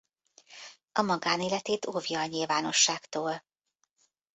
A magánéletét óvja a nyilvánosságtól.